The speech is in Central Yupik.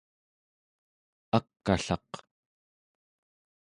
ak'allaq